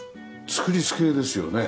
作り付けですよね？